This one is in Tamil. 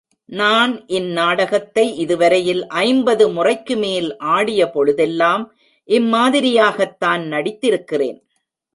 நான் இந் நாடகத்தை இதுவரையில் ஐம்பது முறைக்குமேல் ஆடிய பொழுதெல்லாம் இம்மாதிரியாகத்தான் நடித்திருக்கிறேன்.